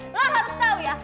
lo harus tau ya